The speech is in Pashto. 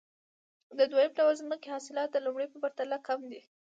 د دویم ډول ځمکې حاصلات د لومړۍ په پرتله کم دي